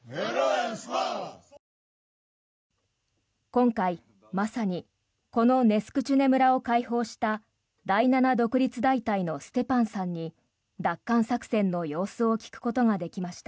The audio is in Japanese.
今回、まさにこのネスクチュネ村を解放した第７独立大隊のステパンさんに奪還作戦の様子を聞くことができました。